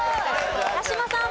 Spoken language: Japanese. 八嶋さん。